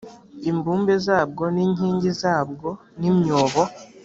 imbumbe zabwo n inkingi zabwo n imyobo